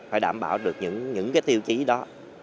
phải đảm bảo được những tiêu chí đó